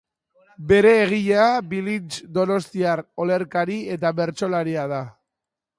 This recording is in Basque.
Bere egilea Bilintx donostiar olerkari eta bertsolaria da.